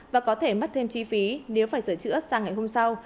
và có thể mất thêm chi phí nếu phải sửa chữa sang ngày hôm sau